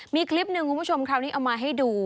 มีคลิปหนึ่งคุณผู้ชมคราวนี้เอามาให้ดู